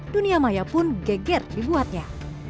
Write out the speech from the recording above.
dunia maya pun geger dibuatnya